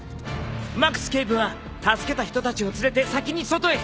マックス警部は助けた人たちを連れて先に外へ。